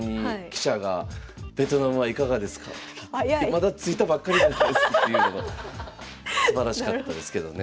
「まだ着いたばっかりなんです」っていうのがすばらしかったですけどね